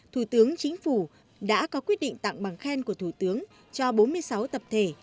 thủ tướng chính phủ đã có quyết định tặng bằng khen của thủ tướng cho bốn mươi sáu tập thể